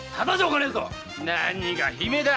何が「姫」だ！